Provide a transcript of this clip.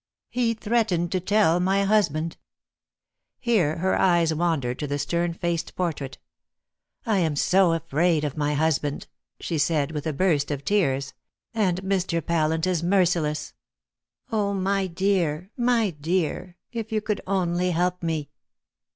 He threatened to tell my husband." Here her eyes wandered to the stern faced portrait. "I am so afraid of my husband," she said, with a burst of tears, "and Mr. Pallant is merciless. Oh, my dear, my dear, if you could only help me!"